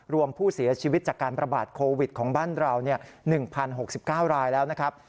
รวมผู้เสียชีวิตจากการประบาดโควิดของบ้านเรา๑๐๖๙รายแล้วนะครับ